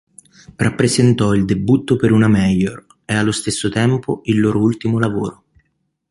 Rappresentò il debutto per una major e, allo stesso tempo, il loro ultimo lavoro.